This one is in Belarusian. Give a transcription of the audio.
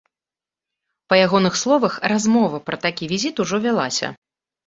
Па ягоных словах, размова пра такі візіт ужо вялася.